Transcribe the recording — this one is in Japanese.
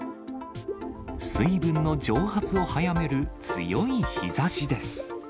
水分の蒸発を早める強い日ざしです。